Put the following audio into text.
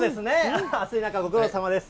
暑い中ご苦労さまです。